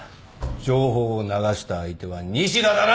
情報を流した相手は西田だな！